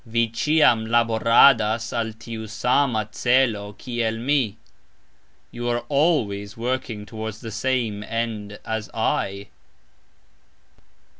Vi cxiam laboradas al tiu "sama" celo, "kiel" mi, You are always working towards that "same" end (aim) "as" I.